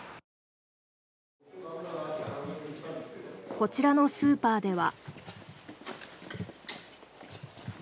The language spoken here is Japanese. こちらのスーパーでは。